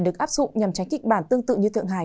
được áp dụng nhằm tránh kịch bản tương tự như thượng hải